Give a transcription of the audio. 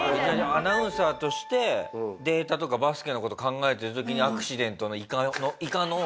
アナウンサーとしてデータとかバスケの事考えてる時にアクシデントのいかの電話がかかってきて。